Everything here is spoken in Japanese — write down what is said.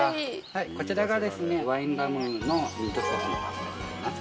こちらがですね、ワインラムのミートソースのパスタになります。